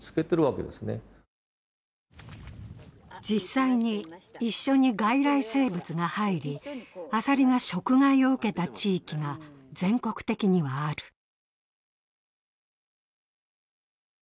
実際に一緒に外来生物が入り、アサリが食害を受けた地域が全国的にはある。